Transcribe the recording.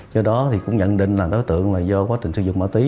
do đó thì cũng nhận định là đối tượng là do quá trình sử dụng ma túy